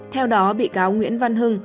theo đó bị cáo nguyễn văn hưng